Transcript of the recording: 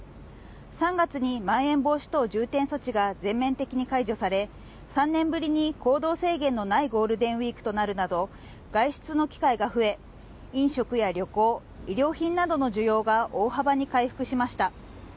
３月にまん延防止等重点措置が全面的に解除され３年ぶりに行動制限のないゴールデンウィークとなるなど外出の機会が増え飲食や旅行、衣料品などの需要が大幅に回復しました。